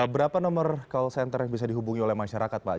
berapa nomor call center yang bisa dihubungi oleh masyarakat pak